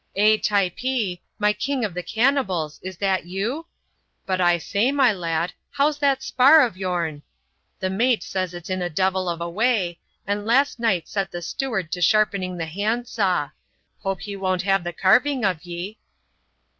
" Ay, Typee, my king of the cannibals, is it you ? But I say, my lad, how's that spar of your'n ? the mate says it's in a devil of a way ; and last night set the steward to sharpening the handsaw : hope he won't have the carving of ye."